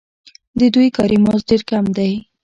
د دوی کاري مزد ډېر کم دی